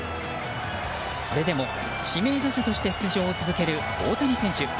それでも指名打者として出場を続ける大谷選手。